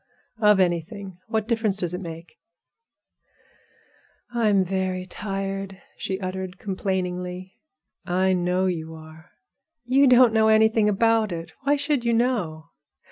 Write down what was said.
"Of anything. What difference does it make?" "I'm very tired," she uttered, complainingly. "I know you are." "You don't know anything about it. Why should you know?